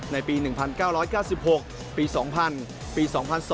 ในปี๑๙๙๖ปี๒๐๐ปี๒๒